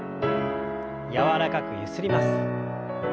柔らかくゆすります。